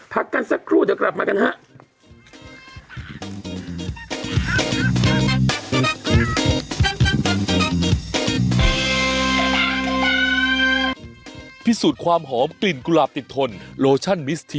พักกันสักครู่เดี๋ยวกลับมากันฮะ